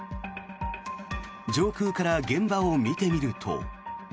上空から現場を見てみると。